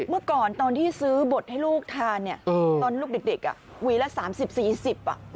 เมื่อก่อนตอนที่ซื้อบดให้ลูกทานเนี่ยตอนลูกเด็กหวีละ๓๐๔๐บาท